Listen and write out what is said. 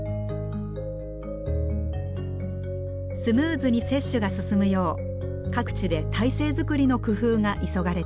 スムーズに接種が進むよう各地で態勢作りの工夫が急がれています。